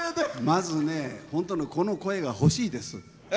まずね、本当にこの声が欲しいです。